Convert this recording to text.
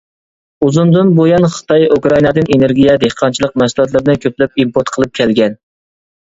ئۇزۇندىن بۇيان خىتاي ئۇكرائىنادىن ئېنېرگىيە، دېھقانچىلىق مەھسۇلاتلىرىنى كۆپلەپ ئىمپورت قىلىپ كەلگەن.